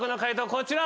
こちら。